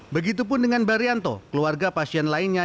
begitupun dengan barianto keluarga pasien lainnya